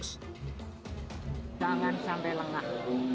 jangan sampai lengah